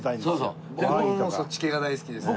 僕もそっち系が大好きですね。